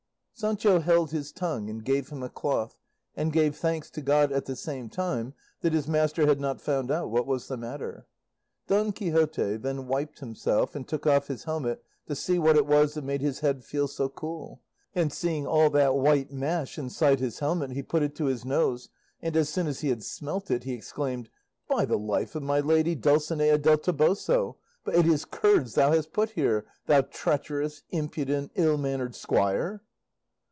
Sancho held his tongue, and gave him a cloth, and gave thanks to God at the same time that his master had not found out what was the matter. Don Quixote then wiped himself, and took off his helmet to see what it was that made his head feel so cool, and seeing all that white mash inside his helmet he put it to his nose, and as soon as he had smelt it he exclaimed: "By the life of my lady Dulcinea del Toboso, but it is curds thou hast put here, thou treacherous, impudent, ill mannered squire!"